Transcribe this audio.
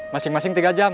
masing masing tiga jam